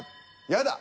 「やだ」。